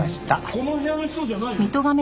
この部屋の人じゃないよね？